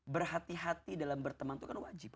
berhati hati dalam berteman itu kan wajib